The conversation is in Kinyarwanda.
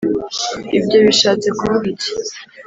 Ibyo bishatse kuvuga iki